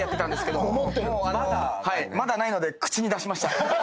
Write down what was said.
まだないので口に出しました。